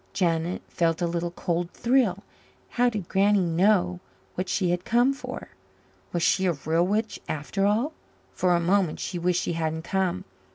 Janet felt a little cold thrill. How did Granny know what she had come for? Was she a real witch after all? For a moment she wished she hadn't come.